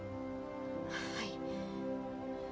「はい」